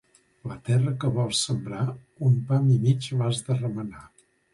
La terra que vols sembrar un pam i mig l'has de remenar.